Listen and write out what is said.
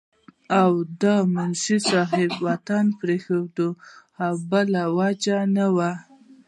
او د منشي صېب وطن پريښودل هم بلاوجه نه وو